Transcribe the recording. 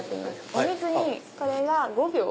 お水にこれが５秒。